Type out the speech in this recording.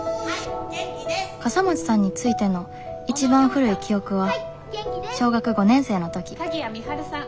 笠松さんについての一番古い記憶は小学５年生の時鍵谷美晴さん。